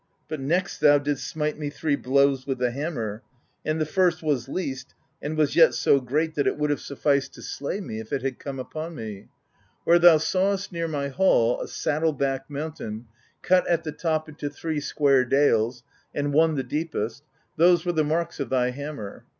But next thou didst smite me three blows with the hammer; and the first was least, and was yet so great that it would have sufficed THE BEGUILING OF GYLFI 67 to slay me, if it had come upon me. Where thou sawest near my hall a saddle backed mountain, cut at the top into three square dales, and one the deepest, those were the marks of thy hammer.